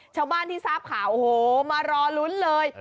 ชาวบ้านที่ทราบข่าวโอ้โหมารอลุ้นเลย